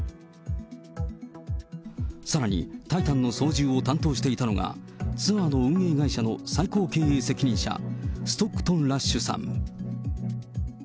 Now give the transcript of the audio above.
さらに、タイタンの操縦を担当していたのが、ツアーの運営会社の最高経営責任者、ストックトン・ラッシュさん。